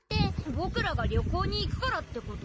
ぼくらが旅行に行くからってこと？